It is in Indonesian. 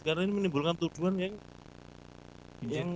karena ini menimbulkan tuduhan yang